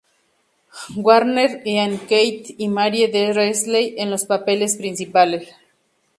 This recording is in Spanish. Warner, Ian Keith y Marie Dressler en los papeles principales.